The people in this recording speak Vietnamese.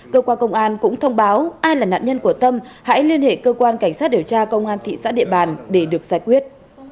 cơ quan công an cũng thông báo ai là nạn nhân của tâm hãy liên hệ cơ quan cảnh sát điều tra công an thị xã địa bàn để được giải quyết